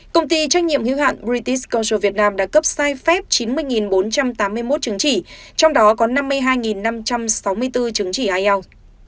công ty trách nhiệm hiếu hạn british cultural vietnam đã cấp sai phép chín mươi bốn trăm tám mươi một chứng chỉ trong đó có năm mươi hai năm trăm sáu mươi bốn chứng chỉ ielts